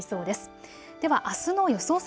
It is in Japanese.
ではあすの予想